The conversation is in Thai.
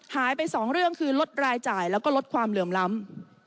หายไป๒เรื่องคือลดรายจ่ายแล้วก็ลดความเหลื่อมล้ำ